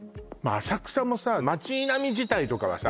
浅草もさ街並み自体とかはさ